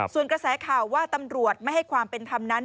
ส่วนกระแสข่าวว่าตำรวจไม่ให้ความเป็นธรรมนั้น